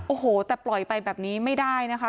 โอ้โหแต่ปล่อยไปแบบนี้ไม่ได้นะคะ